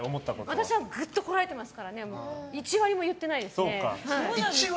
私はぐっとこらえてますから１割も言ってないです。